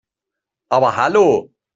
Aber hallo!